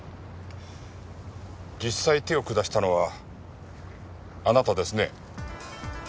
実際手を下したのはあなたですね？